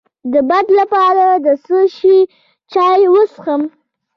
د باد لپاره د څه شي چای وڅښم؟